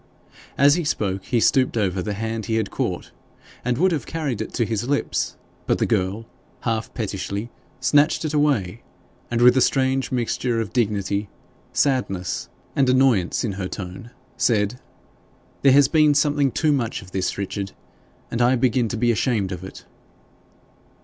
As he spoke he stooped over the hand he had caught, and would have carried it to his lips, but the girl, half pettishly, snatched it away, and, with a strange mixture of dignity, sadness, and annoyance in her tone, said 'There has been something too much of this, Richard, and I begin to be ashamed of it.'